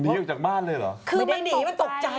หนีออกจากบ้านเลยเหรอ